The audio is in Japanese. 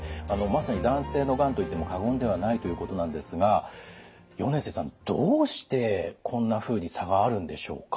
まさに男性のがんと言っても過言ではないということなんですが米瀬さんどうしてこんなふうに差があるんでしょうか。